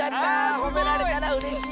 ほめられたらうれしい！